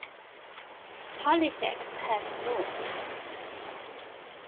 Halifax had lost.